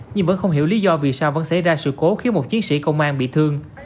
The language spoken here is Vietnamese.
nhưng vẫn không hiểu lý do vì sao vẫn xảy ra sự cố khiến một chiến sĩ công an bị thương